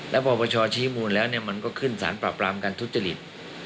แล้วพ่อประชาชีมูลแล้วเนี่ยมันก็ขึ้นสารปราบรามการทุจจริต